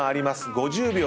５０秒。